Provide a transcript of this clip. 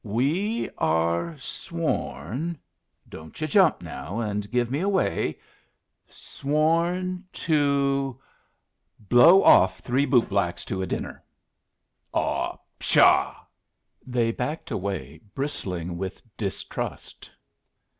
"We are sworn don't yu' jump, now, and give me away sworn to blow off three bootblacks to a dinner." "Ah, pshaw!" They backed away, bristling with distrust.